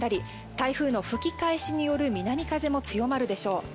台風の吹き返しによる南風も強まるでしょう。